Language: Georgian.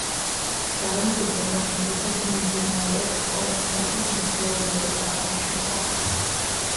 ვარაუდობენ, რომ დღესაც მიმდინარეობს კომეტსახის ნისლეულების წარმოშობა.